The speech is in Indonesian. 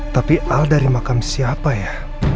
tapi al dari makam siapa ya